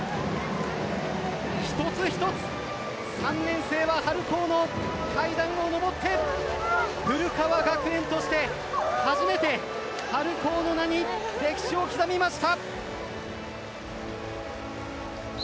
一つ一つ３年生は春高の階段を上って古川学園として初めて春高の名に歴史を刻みました。